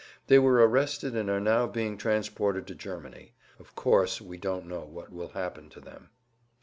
They were arrested and are now being transported to Germany. Of course, we don't know what will happen to them."